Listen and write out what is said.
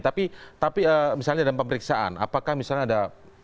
tapi misalnya dalam pemeriksaan apakah misalnya ada